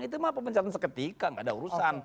itu mah pemencatan seketika gak ada urusan